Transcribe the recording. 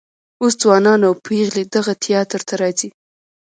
اوس ځوانان او پیغلې دغه تیاتر ته راځي.